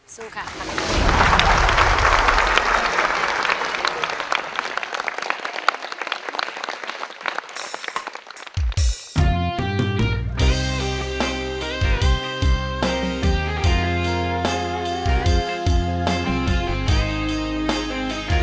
สู้ค่ะ